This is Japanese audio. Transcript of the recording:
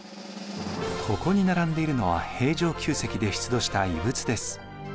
ここに並んでいるのは平城宮跡で出土した遺物です。